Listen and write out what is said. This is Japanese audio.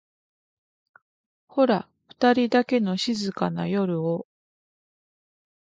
ホラふたりだけの静かな夜を